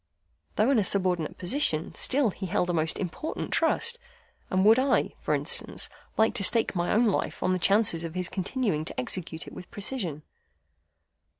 Though in a subordinate position, still he held a most important trust, and would I (for instance) like to stake my own life on the chances of his continuing to execute it with precision?